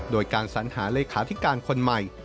โดยการสัญหาเลขาธิการคนใหม่